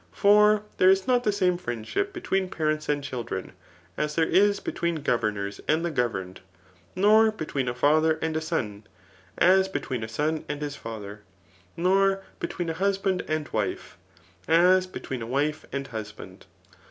For there is not the same friendship between pa r^its and children, as there is between governors and the governed ; nor between a father and son, as between a son and his father ; nor between a husband and wife, as between a wife and husband.